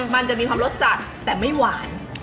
มันจะมีความรสจัดแต่ไม่หวาน